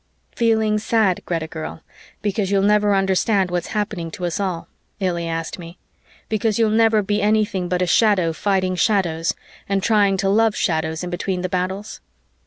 "Feeling sad, Greta girl, because you'll never understand what's happening to us all," Illy asked me, "because you'll never be anything but a shadow fighting shadows and trying to love shadows in between the battles?